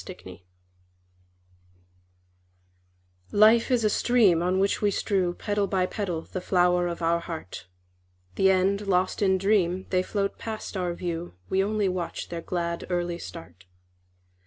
Petals Life is a stream On which we strew Petal by petal the flower of our heart; The end lost in dream, They float past our view, We only watch their glad, early start.